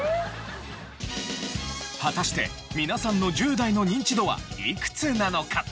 果たして皆さんの１０代のニンチドはいくつなのか？